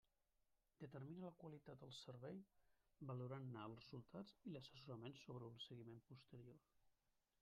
Determina la qualitat del servei valorant-ne els resultats i l'assessorament sobre el seguiment posterior.